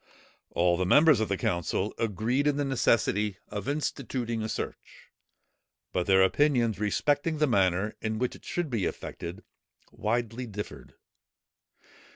All the members of the council agreed in the necessity of instituting a search: but their opinions respecting the manner in which it should be effected, widely differed.